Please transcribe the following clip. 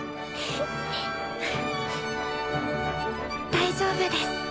大丈夫です